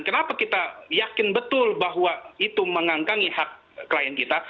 kenapa kita yakin betul bahwa itu mengangkangi hak klien kita